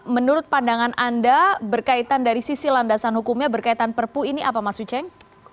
menurut pandangan anda berkaitan dari sisi landasan hukumnya berkaitan perpu ini apa mas uceng